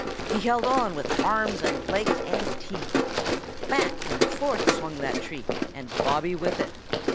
He held on with arms and legs and teeth. Back and forth swung that tree and Bobby with it.